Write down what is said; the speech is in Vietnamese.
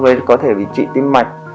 với có thể bị trị tinh mạch